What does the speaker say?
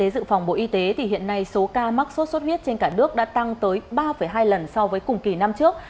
số ca mắc sốt xuất huyết trên cả nước đã tăng tới ba hai lần so với cùng kỳ năm trước